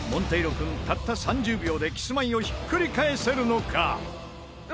君たった３０秒でキスマイをひっくり返せるのか？